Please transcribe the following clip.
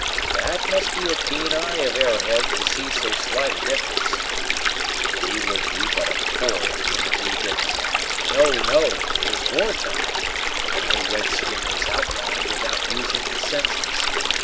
"That must be a keen eye of Arrowhead's to see so slight a difference." "He would be but a poor Indian if he didn't. No, no; it is war time, and no red skin is outlying without using his senses.